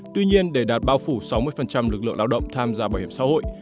tuy nhiên để đạt bao phủ sáu mươi lực lượng lao động tham gia bảo hiểm xã hội